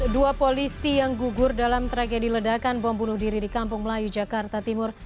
dua polisi yang gugur dalam tragedi ledakan bom bunuh diri di kampung melayu jakarta timur